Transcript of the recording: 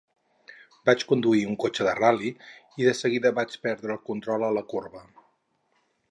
Vaig conduir un cotxe de ral·li i de seguida vaig perdre el control a la corba.